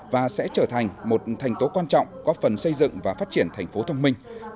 và sẽ trở thành một thành tố quan trọng góp phần xây dựng và phát triển thành phố thông minh